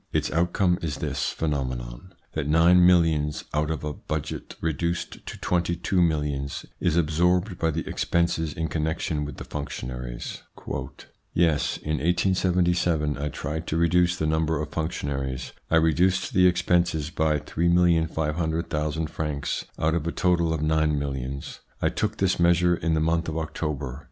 Its outcome is this phenomenon, that nine millions out of a budget reduced to twenty two millions is absorbed by the expenses in connection with the functionaries. "Yes, in 1877, I tried to reduce the number of functionaries. I reduced the expenses by 3,500,000 francs out of a total of nine millions. I took this measure in the month of October.